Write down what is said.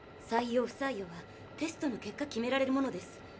採用不採用はテストの結果決められるものです。